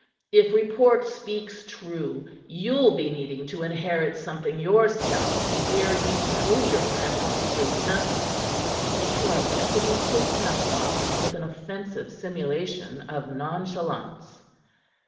If report speaks true, you'll be needing to inherit something yourself to bear you through your present straitness." He shrugged and produced his snuff box with an offensive simulation of nonchalance.